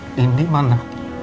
tidak ada apa apa